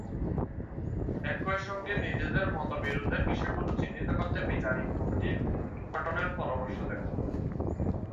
একই সঙ্গে নিজেদের মতবিরোধের বিষয়গুলো চিহ্নিত করতে বিচারিক কমিটি গঠনের পরামর্শ দেন।